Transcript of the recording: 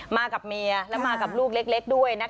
มากับเมียและมากับลูกเล็กด้วยนะคะ